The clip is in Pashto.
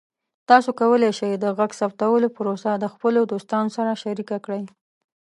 تاسو کولی شئ د غږ ثبتولو پروسه د خپلو دوستانو سره شریکه کړئ.